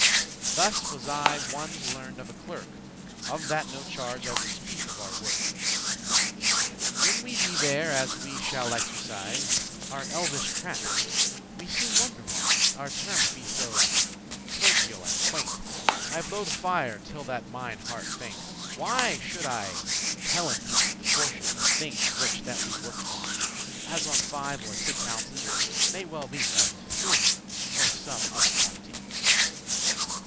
* *trouble Thus was I ones learned of a clerk; Of that no charge;* I will speak of our work. *matter When we be there as we shall exercise Our elvish* craft, we seeme wonder wise, *fantastic, wicked Our termes be so *clergial and quaint.* *learned and strange I blow the fire till that mine hearte faint. Why should I tellen each proportion Of thinges, whiche that we work upon, As on five or six ounces, may well be, Of silver, or some other quantity?